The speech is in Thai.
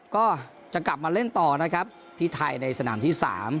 ก็จะกลับมาเล่นต่อนะครับที่ไทยในสนามที่๓